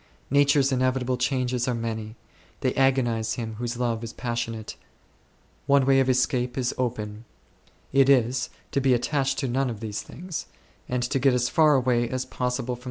Nature's inevitable changes are many ; they agonize him whose love is passionate. One way of escape is open : it is, to be attached to none of these things, and to get as far away as 9 Iliad, v.